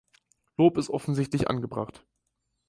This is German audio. Lob ist offensichtlich angebracht.